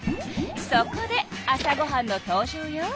そこで朝ごはんの登場よ。